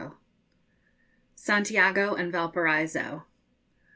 SANTIAGO AND VALPARAISO.